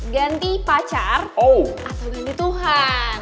ganti pacar atau ganti tuhan